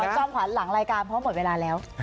อาจารย์สอนจ้อมผลักหลังรายการเพราะหมดเวลาแล้ว